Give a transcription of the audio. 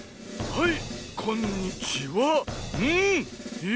はい！